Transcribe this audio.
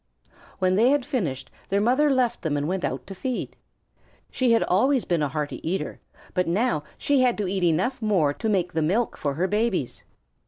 When they had finished, their mother left them and went out to feed. She had always been a hearty eater, but now she had to eat enough more to make the milk for her babies.